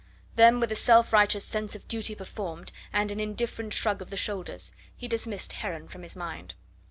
Then with a self righteous sense of duty performed, and an indifferent shrug of the shoulders, he dismissed Heron from his mind.